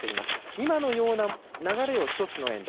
今のような流れを１つのエンド